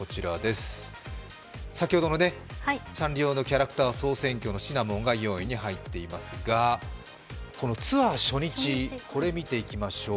先ほどのサンリオのキャラクター総選挙、シナモンが４位に入っていますがこのツアー初日、これを見ていきましょう。